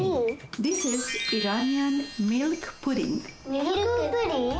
ミルクプリン？